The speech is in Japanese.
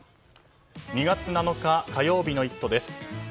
２月７日火曜日の「イット！」です。